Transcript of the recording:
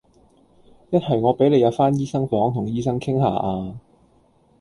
一係我俾你入返醫生房同醫生傾吓呀